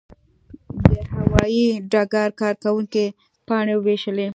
د هوايي ډګر کارکوونکي پاڼې وویشلې.